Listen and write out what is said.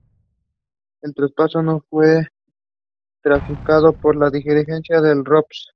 El traspaso no fue ratificado por la dirigencia del RoPs.